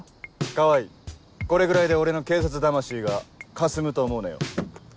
川合これぐらいで俺の警察魂がかすむと思うなよ。